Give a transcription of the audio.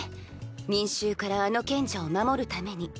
民衆からあの賢者を守るために。